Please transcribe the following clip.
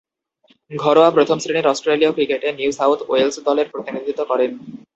ঘরোয়া প্রথম-শ্রেণীর অস্ট্রেলীয় ক্রিকেটে নিউ সাউথ ওয়েলস দলের প্রতিনিধিত্ব করেন।